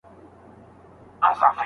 په ساینس کي د څېړني اصول داسې نه دي.